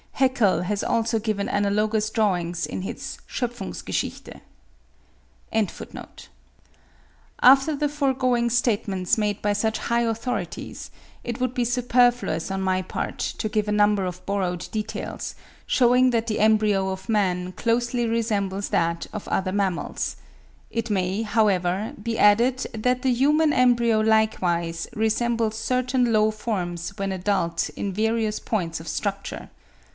Haeckel has also given analogous drawings in his 'Schopfungsgeschichte.') After the foregoing statements made by such high authorities, it would be superfluous on my part to give a number of borrowed details, shewing that the embryo of man closely resembles that of other mammals. It may, however, be added, that the human embryo likewise resembles certain low forms when adult in various points of structure.